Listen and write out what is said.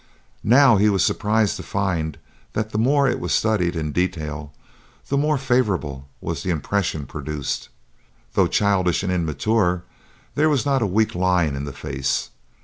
Now he was surprised to find that the more it was studied in detail, the more favorable was the impression produced. Though childish and immature, there was not a weak line in the face.